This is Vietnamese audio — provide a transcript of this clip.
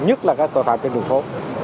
nhất là các tội phạm trên đường phố